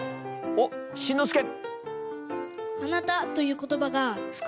おっしんのすけ。